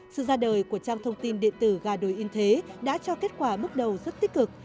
sự ra đời của trang thông tin điện tử gà đối yên thế đã cho kết quả bước đầu rất tích cực